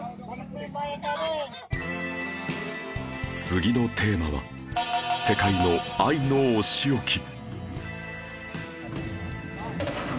次のテーマは「世界の愛のお仕置き」